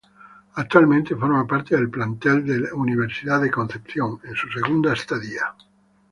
Actualmente forma parte del plantel de Universidad de Concepción, en su segunda estadía.